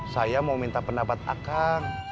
saya mau minta pendapat akang